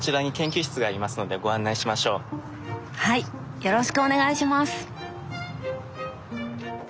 よろしくお願いします。